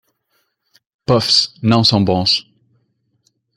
Puffs não são bons